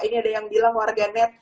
ini ada yang bilang warganet